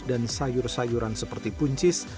dan sayur sayuran seperti buncis